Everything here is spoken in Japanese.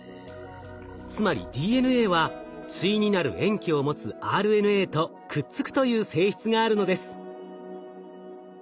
つまりＤＮＡは対になる塩基を持つＲＮＡとくっつくという性質があるのです。